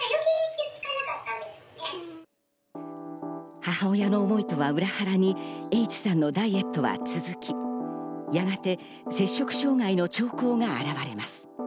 母親の思いとは裏腹にＨさんのダイエットは続き、やがて摂食障害の兆候が現れます。